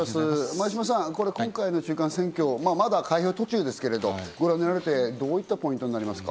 前嶋さん、今回の中間選挙、開票途中ですけど、ご覧になられてどうですか？